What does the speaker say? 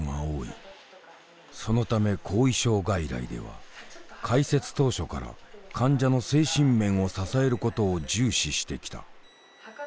そのため後遺症外来では開設当初から患者の精神面を支えることを重視してきた。